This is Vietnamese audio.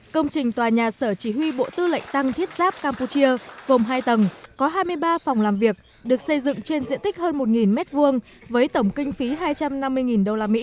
công trình tòa nhà sở chỉ huy bộ tư lệnh tăng thiết giáp campuchia gồm hai tầng có hai mươi ba phòng làm việc được xây dựng trên diện tích hơn một m hai với tổng kinh phí hai trăm năm mươi usd